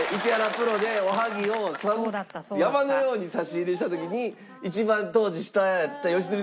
プロでおはぎを山のように差し入れした時に一番当時下やった良純さんが全部平らげないとダメ。